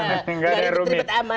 nggak ada ribet aman